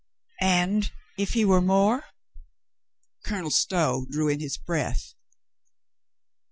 "And if he were more?" Colonel Stow drew in his breath.